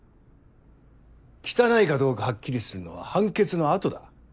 汚いかどうかハッキリするのは判決の後だ。